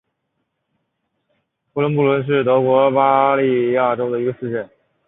霍亨布伦是德国巴伐利亚州的一个市镇。